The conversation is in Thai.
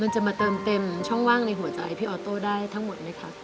จะมาเติมเต็มช่องว่างในหัวใจพี่ออโต้ได้ทั้งหมดไหมคะ